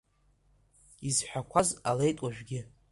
Изҳәақәаз ҟалеит уажәгьы…